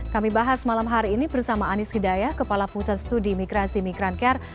kami bahas malam hari ini bersama anies hidayah kepala pusat studi migrasi migrancare